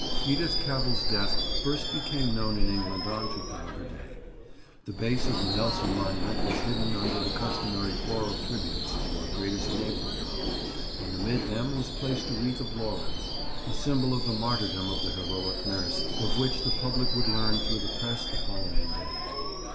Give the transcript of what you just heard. Edith Cavell's death first became known in England on Trafalgar Day. The base of the Nelson Monument was hidden under the customary floral tributes to our greatest naval hero, and amid them was placed a wreath of laurels, a symbol of the martyrdom of the heroic nurse, of which the public would learn through the press the following day.